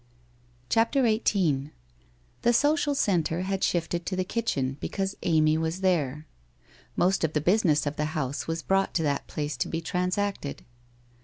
CHAPTER XVII The social centre had shifted to the kitchen, because Amy was there. Most of the business of the house was brought to that place to be transacted.